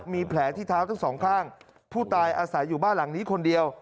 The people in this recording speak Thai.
มีแผลที่เท้าทั้งสองข้างผู้ตายอาศัยอยู่บ้านหลังนี้คนเดียว